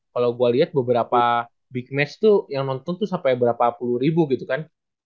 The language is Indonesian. kalau gue lihat beberapa big match tuh yang nonton tuh sampai berapa puluh ribu gitu kan